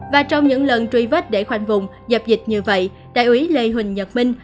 và trong những lần truy vết để khoanh vùng dập dịch như vậy đại úy lê huỳnh nhật minh